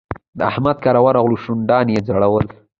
د احمد کره ورغلو؛ شونډان يې ځړول.